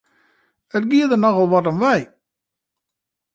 It gie der nochal wat om wei!